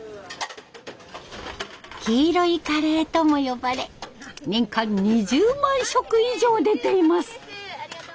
「黄色いカレー」とも呼ばれ年間２０万食以上出ています。